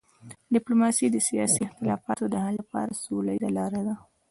ډیپلوماسي د سیاسي اختلافاتو د حل لپاره سوله ییزه لار ده.